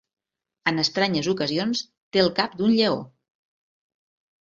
En estranyes ocasions té el cap d'un lleó.